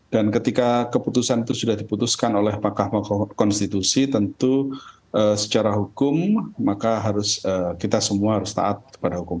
dan ketika keputusan itu sudah diputuskan oleh mahkamah konstitusi tentu secara hukum maka kita semua harus taat kepada hukum